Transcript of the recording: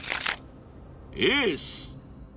［エース］